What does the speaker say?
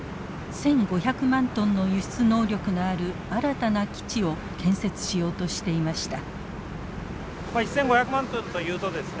１，５００万トンの輸出能力のある新たな基地を建設しようとしていました。